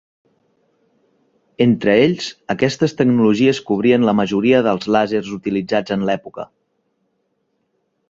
Entre ells, aquestes tecnologies cobrien la majoria dels làsers utilitzats en l'època.